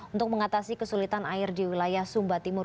untuk mengatasi kesulitan air di wilayah sumba timur